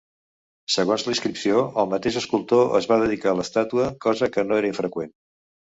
Segons la inscripció el mateix escultor es va dedicar l'estàtua, cosa que no era infreqüent.